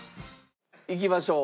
いきましょう。